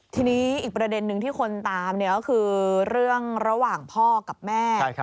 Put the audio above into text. ทีนี้อีกประเด็นนึงที่คนตามก็คือเรื่องระหว่างพ่อกับแม่